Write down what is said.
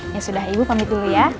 ya sudah ibu pamit dulu ya